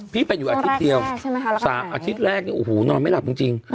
ไปอยู่อาทิตย์เดียว๓อาทิตย์แรกเนี่ยโอ้โหนอนไม่หลับจริง